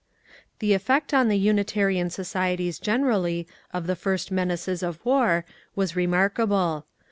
The effect on the Unitarian societies generally of the first menaces of war was remarkable.